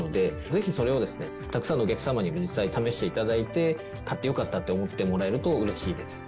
ぜひそれを、たくさんのお客様に実際試していただいて、買ってよかったと思ってもらえるとうれしいです。